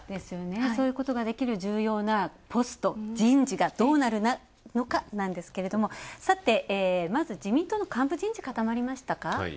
そういうことができる重要なポスト人事がどうなるのかなんですけれどもまず自民党の幹部人事、固まりましたか？